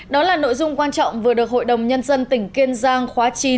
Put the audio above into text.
đó là nội dung quan trọng vừa được hội đồng nhân dân tỉnh kiên giang khóa chín